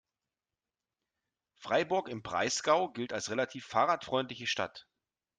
Freiburg im Breisgau gilt als relativ fahrradfreundliche Stadt.